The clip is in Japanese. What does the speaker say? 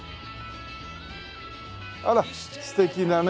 あら素敵なね